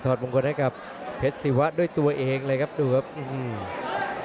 ตอบประกวดให้กับเพชรสีวะด้วยตัวเองเลยครับดูครับ